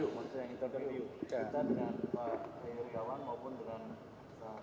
maksudnya interview kita dengan pak iryawan maupun dengan pak novel